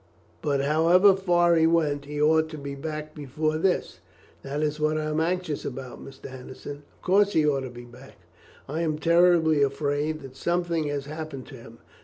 "But, however far he went, he ought to be back before this." "That is what I am anxious about, Mr. Henderson. Of course he ought to be back. I am terribly afraid that something has happened to him.